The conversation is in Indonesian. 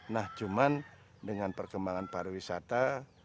nah cuman dengan perkembangan pariwisata